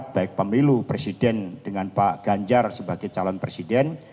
baik pemilu presiden dengan pak ganjar sebagai calon presiden